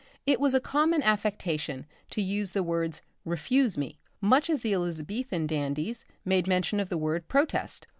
it was a common affectation to use the words "refuse me," much as the Elizabethan dandies made mention of the word "protest."